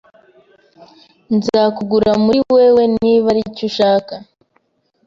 Nzakugura muri wewe niba aricyo ushaka